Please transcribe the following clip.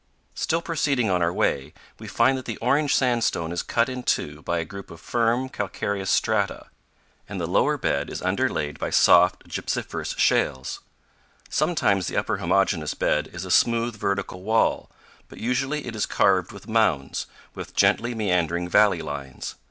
Still proceeding on our way, we find that the orange sandstone is cut in two by a group of firm, calcareous strata, and the lower bed is under 230 CANYONS OF THE COLORADO. laid by soft, gypsiferous shales. Sometimes the upper homogeneous bed is a smooth, vertical wall, but usually it is carved with mounds, with gently meandering valley lines.